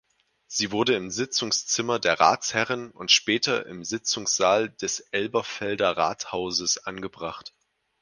Sie wurde im Sitzungszimmer der Ratsherren und später im Sitzungssaal des Elberfelder Rathauses angebracht.